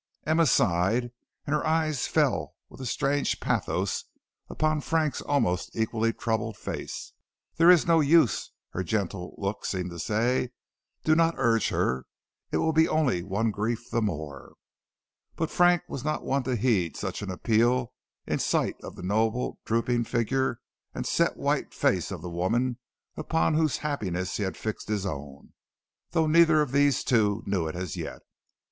Emma sighed, and her eyes fell with a strange pathos upon Frank's almost equally troubled face. "There is no use," her gentle looks seemed to say. "Do not urge her; it will be only one grief the more." But Frank was not one to heed such an appeal in sight of the noble drooping figure and set white face of the woman upon whose happiness he had fixed his own, though neither of these two knew it as yet.